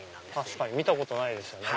確かに見たことないですね